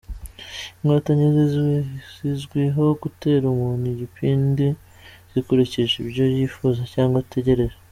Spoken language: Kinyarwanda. Inkotanyi zizwiho gutera umuntu igipindi zikurikije ibyo yifuza cyangwa ategereje.